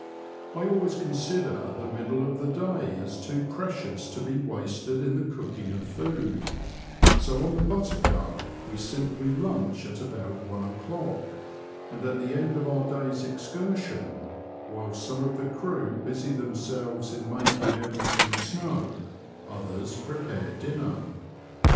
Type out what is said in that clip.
I always consider the middle of the day as too precious to be wasted in the cooking of food ; so on the Buttercup we simply lunch at about one o'clock, and at the end of om: day's excursion, whilst some of the crew busy themselves in making everything snug, others prepare dinner.